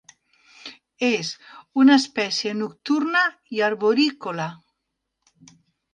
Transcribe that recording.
És una espècie nocturna i arborícola.